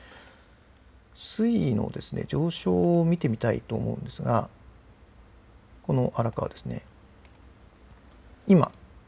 水位の上昇を見てみたいと思うんですが荒川ですね